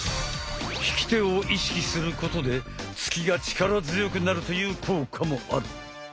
引き手を意識することで突きが力強くなるという効果もある！